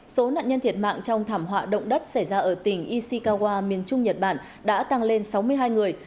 số nạn nhân thiệt mạng trong thảm họa động đất xảy ra ở tỉnh ishikawa miền trung nhật bản đã tăng lên sáu mươi hai người